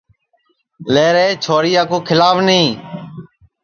لے رے چھوریا کُو کھیلاو نی